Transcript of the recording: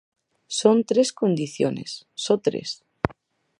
Son tres condiciones, só tres.